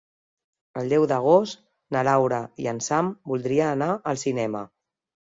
El deu d'agost na Laura i en Sam voldria anar al cinema.